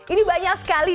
ini banyak sekali